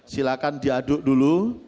silakan diaduk dulu